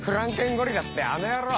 ゴリラってあの野郎。